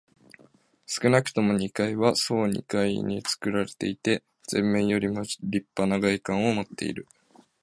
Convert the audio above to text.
少なくとも二階は総二階につくられていて、前面よりもりっぱな外観をもっている。